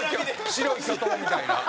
『白い巨塔』みたいな。